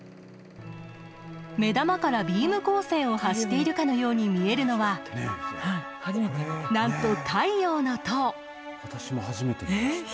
目玉からビーム光線を発しているかのように見えるのはなんと太陽の塔。